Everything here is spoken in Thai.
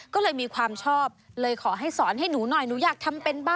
ก็เลยมีความชอบเลยขอให้สอนให้หนูหน่อยหนูอยากทำเป็นบ้า